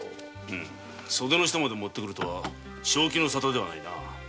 うん袖の下まで持ってくるとは正気の沙汰ではないな。